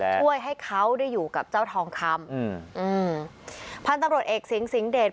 ช่วยให้เขาได้อยู่กับเจ้าทองคำอืมอืมพันธุ์ตำรวจเอกสิงสิงห์เดช